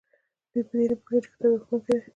دوی په دې نه پوهیږي چې کتاب یو ښوونکی دی.